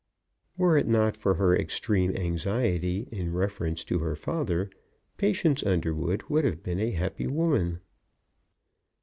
Were it not for her extreme anxiety in reference to her father, Patience Underwood would have been a happy woman.